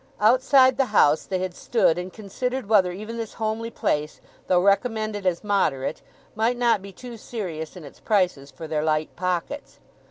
Outside the house they had stood and considered whether even this homely place, though recommended as moderate, might not be too serious in its prices for their light pockets.